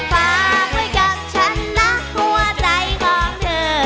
ฝากไว้กับฉันนะหัวใจของเธอ